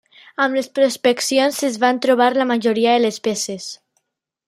Amb les prospeccions es van trobar la majoria de les peces.